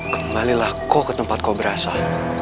kembalilah kamu ke tempat kamu berasal